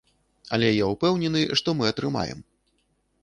Але я ўпэўнены, што мы атрымаем.